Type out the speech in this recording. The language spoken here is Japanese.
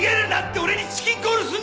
俺にチキンコールすんだ！